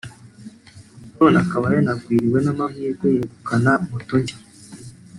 none akaba yanagwiriwe n’amahirwe yegukana Moto nshya